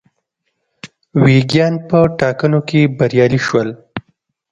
ویګیان په ټاکنو کې بریالي شول.